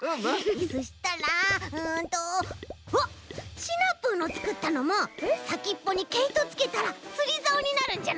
そしたらうんとシナプーのつくったのもさきっぽにけいとつけたらつりざおになるんじゃない？